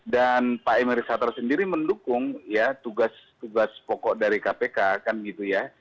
dan pak emery sattar sendiri mendukung tugas tugas pokok dari kpk kan gitu ya